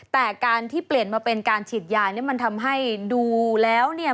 แต่การที่เปลี่ยนมาเป็นการฉีดยาเนี่ยมันทำให้ดูแล้วเนี่ย